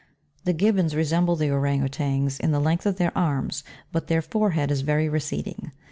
13. The GIBBONS resemble the Ourang Outangs in the length of their arms, but their forehead is very receding.